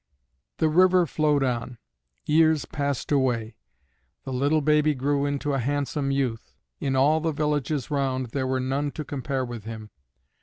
The river flowed on. Years passed away. The little baby grew into a handsome youth; in all the villages round there were none to compare with him.